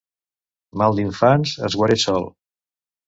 Mal d'infants es guareix sol.